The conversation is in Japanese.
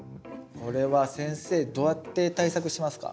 これは先生どうやって対策しますか？